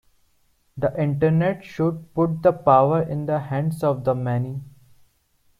The Internet should put the power in the hands of the many.